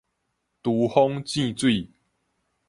㧣風搢水